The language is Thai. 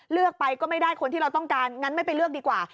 เลือกไปก็ไม่ได้คนที่เราต้องการงั้นไม่ไปเลือกดีกว่า